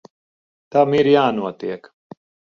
Tam ir jānotiek.